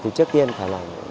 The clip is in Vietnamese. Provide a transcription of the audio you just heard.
thì trước tiên phải là cân cắn